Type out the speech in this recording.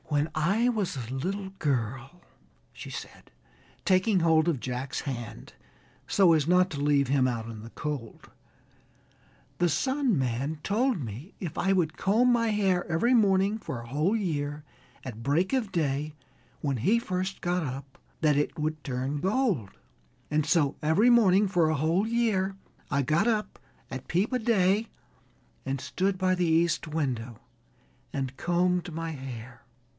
"When I was a little girl," she said, taking hold of Jack's hand so as not to leave him out in the cold, "the Sun Man told me if I would comb my hair every morning for a whole year, at break of day, when he first got up, that it would turn gold. And so every morning for a whole year I got up at peep o' day and stood by the east window and combed my hair."